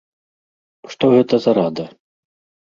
Што гэта за рада?